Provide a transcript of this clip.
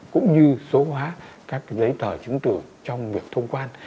cũng như số hóa các giấy tờ chứng tử trong việc thông quan